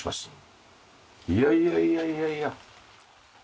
いやいやいやいや。